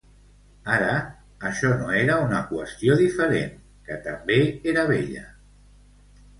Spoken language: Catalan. Ara; això no era una qüestió diferent, que també era vella.